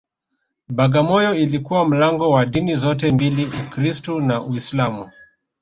Bagamoyo ilikuwa mlango wa dini zote mbili Ukristu na Uislamu